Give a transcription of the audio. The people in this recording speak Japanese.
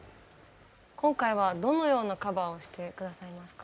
今回はどのようなカバーをして下さいますか？